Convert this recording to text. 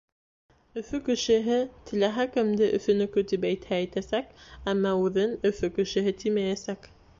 Өфө кешеһе теләһә кемде Өфөнөкө тип әйтһә әйтәсәк, әммә үҙен Өфө кешеһе тимәйәсәк.